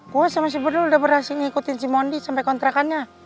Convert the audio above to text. gue sama si berlo udah berhasil ngikutin si mondi sampe kontrakannya